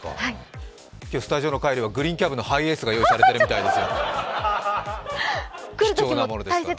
今日、スタジオの帰りはグリーンキャブのハイエースが用意されているようです。